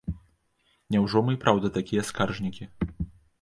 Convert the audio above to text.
Няўжо мы і праўда такія скаржнікі?